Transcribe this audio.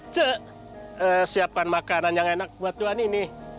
cek siapkan makanan yang enak buat tuhan ini